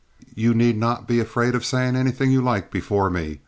"You need not be afraid of saying anything you like before me.